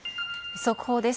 速報です。